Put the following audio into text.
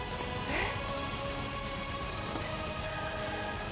えっ？